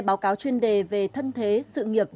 báo cáo chuyên đề về thân thế sự nghiệp